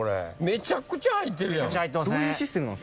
めちゃくちゃ入ってるやん。